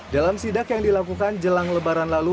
dalam sidak yang dilakukan jelang lebaran lalu